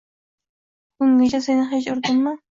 Bugungacha seni hech urdimmi?